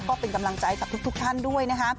ก็เป็นกำลังใจกับทุกท่านด้วยนะคะ